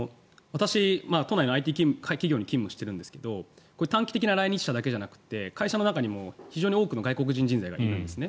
都内のＩＴ企業に勤務しているんですが短期的な来日者だけじゃなくて会社の中にも非常に多くの外国人人材がいるんですね。